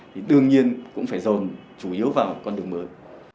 thì đương nhiên cũng phải dồn chủ yếu vào con đường mới